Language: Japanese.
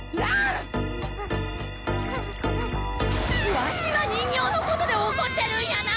わしは人形のことで怒ってるんやない！